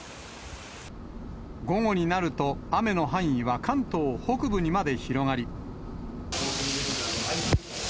午後になると、雨の範囲は関東北部にまで広がり。